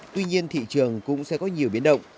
tuy nhiên thị trường cũng sẽ có nhiều biến động